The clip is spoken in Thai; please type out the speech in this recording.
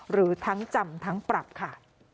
หรือทั้งจำทั้งปรับค่ะ